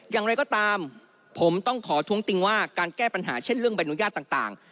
อย่างไรก็ตามผมต้องขอท้วงติงว่าการแก้ปัญหาเช่นเรื่องใบอนุญาตต่าง